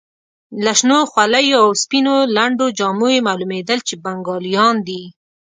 له شنو خولیو او سپینو لنډو جامو یې معلومېدل چې بنګالیان دي.